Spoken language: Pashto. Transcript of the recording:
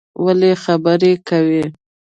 ولی خبری کوی